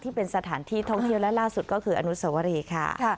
ที่เป็นสถานที่ท่องเที่ยวและล่าสุดก็คืออนุสวรีค่ะ